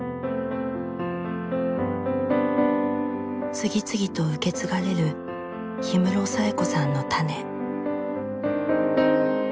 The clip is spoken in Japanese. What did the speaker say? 次々と受け継がれる氷室冴子さんの種。